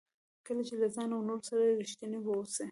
کله چې له ځان او نورو سره ریښتیني واوسئ.